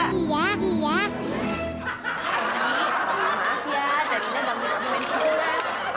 abi maaf ya jarina gak ngerti abu main video lah